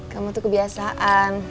kamu tuh kebiasaan